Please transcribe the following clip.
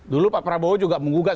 dulu pak prabowo juga menggugat